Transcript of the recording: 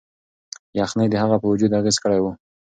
یخنۍ د هغه په وجود اغیز کړی و.